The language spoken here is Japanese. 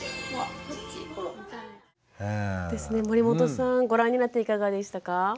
守本さんご覧になっていかがでしたか？